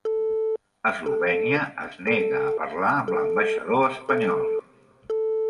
Eslovènia es nega a parlar amb l'ambaixador espanyol